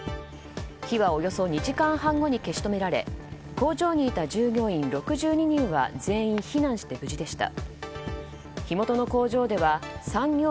火はおよそ２時間半後に消し止められ工場にいた従業員６２人は全員避難して無事でした。